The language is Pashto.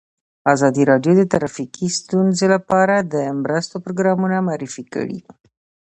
ازادي راډیو د ټرافیکي ستونزې لپاره د مرستو پروګرامونه معرفي کړي.